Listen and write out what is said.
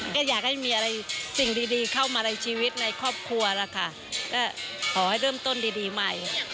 ก็อยากให้มีอะไรสิ่งดีเข้ามาในชีวิตในครอบครัวล่ะค่ะก็ขอให้เริ่มต้นดีดีใหม่